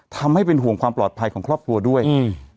ทำให้เป็นห่วงความปลอดภัยของครอบครัวด้วยอืม